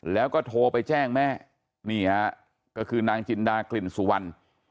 แล้วก็โทรไปแจ้งแม่นี่ฮะก็คือนางจินดากลิ่นสุวรรณ